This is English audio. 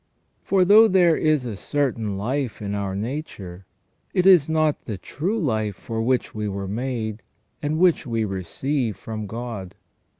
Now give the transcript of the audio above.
For though there is a certain life in our nature, it is not the true life for which we were made, and which we receive from God.